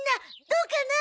どうかな？